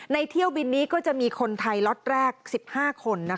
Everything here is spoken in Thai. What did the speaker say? เที่ยวบินนี้ก็จะมีคนไทยล็อตแรก๑๕คน